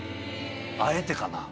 あえてかな？